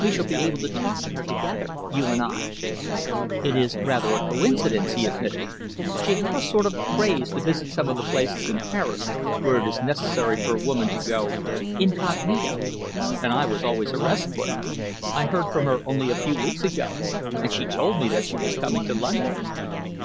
We shall be able to talk to her together, you and I." "It is rather a coincidence," he admitted "She had a sort of craze to visit some of the places in Paris where it is necessary for a woman to go incognito, and I was always her escort. I heard from her only a few weeks ago, and she told me that she was coming to London."